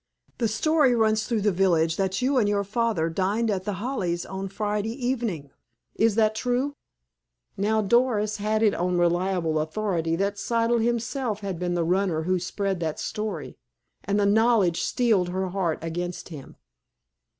"The story runs through the village that you and your father dined at The Hollies on Friday evening. Is that true?" Now, Doris had it on reliable authority that Siddle himself had been the runner who spread that story, and the knowledge steeled her heart against him.